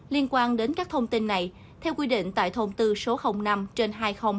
liên quan đến các thông tin này theo quy định tại thông tư số năm trên hai nghìn một mươi